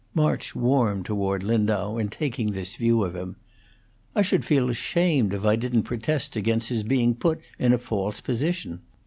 March warmed toward Lindau in taking this view of him. "I should feel ashamed if I didn't protest against his being put in a false position.